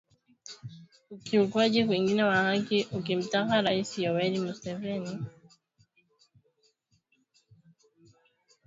ukiukwaji mwingine wa haki akimtaka Raisi Yoweri Museveni